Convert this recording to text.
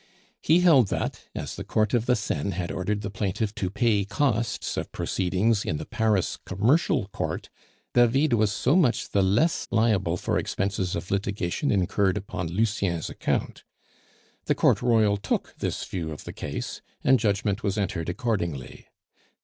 He held that, as the court of the Seine had ordered the plaintiff to pay costs of proceedings in the Paris commercial court, David was so much the less liable for expenses of litigation incurred upon Lucien's account. The Court Royal took this view of the case, and judgment was entered accordingly.